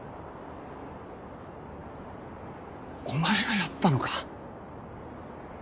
お前がやったのか？